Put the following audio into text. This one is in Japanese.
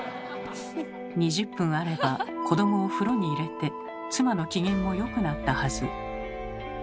２０分あれば子どもを風呂に入れて妻の機嫌も良くなったはず。